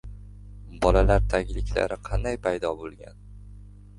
Bolalar tagliklari qanday paydo bo‘lgan?